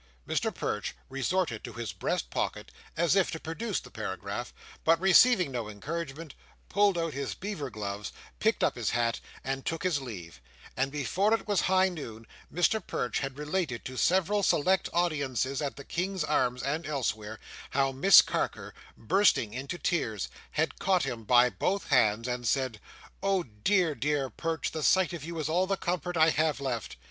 Mr Perch resorted to his breast pocket, as if to produce the paragraph but receiving no encouragement, pulled out his beaver gloves, picked up his hat, and took his leave; and before it was high noon, Mr Perch had related to several select audiences at the King's Arms and elsewhere, how Miss Carker, bursting into tears, had caught him by both hands, and said, "Oh! dear dear Perch, the sight of you is all the comfort I have left!"